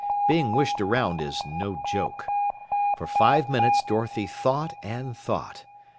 Being wished around is no joke. For five minutes Dorothy thought and thought.